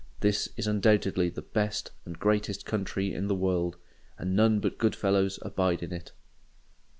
This is undoubtedly the best and greatest country in the world; and none but good fellows abide in it.